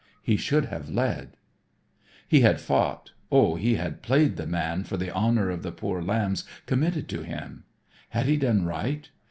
He should have led. He had fought, oh, he had played the man for the honor of the poor lambs committed to him. Had he done right?